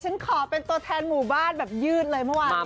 ฉันขอเป็นตัวแทนหมู่บ้านแบบยืดเลยเมื่อวานนี้